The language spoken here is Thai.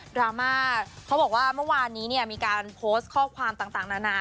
ดราม่าเขาบอกว่าเมื่อวานนี้เนี่ยมีการโพสต์ข้อความต่างนานา